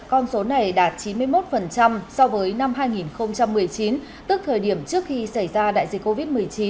tổng thu từ du lịch ước đạt chín mươi một so với năm hai nghìn một mươi chín tức thời điểm trước khi xảy ra đại dịch covid một mươi chín